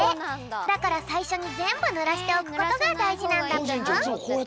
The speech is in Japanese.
だからさいしょにぜんぶぬらしておくことがだいじなんだぴょん。